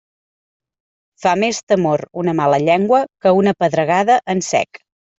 Fa més temor una mala llengua que una pedregada en sec.